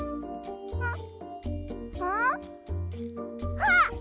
あっ！